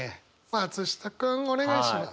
松下君お願いします。